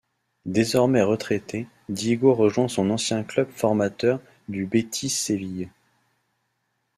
Désormais retraité, Diego rejoint son ancien club formateur du Betis Séville.